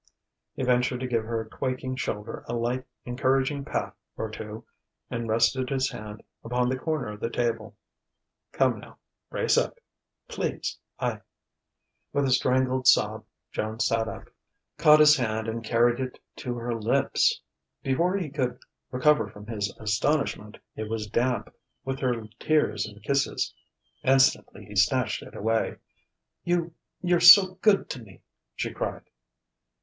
He ventured to give her quaking shoulder a light, encouraging pat or two, and rested his hand upon the corner of the table. "Come, now brace up please. I " With a strangled sob Joan sat up, caught his hand and carried it to her lips. Before he could recover from his astonishment it was damp with her tears and kisses. Instantly he snatched it away. "You you're so good to me!" she cried.